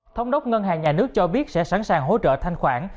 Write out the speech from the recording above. thống đốc ngân hàng nhà nước cho biết sẽ sẵn sàng hỗ trợ thanh khoản